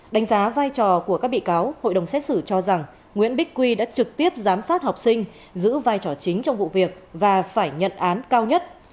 đánh giá vai trò của các bị cáo hội đồng xét xử cho rằng nguyễn bích quy đã trực tiếp giám sát học sinh giữ vai trò chính trong vụ việc và phải nhận án cao nhất